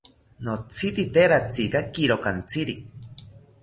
Notzitzite ratzikakiro kantziri